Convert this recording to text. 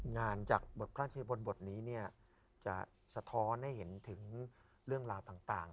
งานจากบทกล้านชีวิตบนบทนี้จะสะท้อนให้เห็นถึงเรื่องราวต่าง